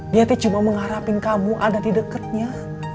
dia cuma mengharapkan kamu ada di deketnya